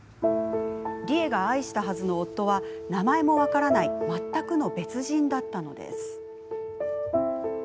里枝が愛したはずの夫は名前も分からない全くの別人だったのです。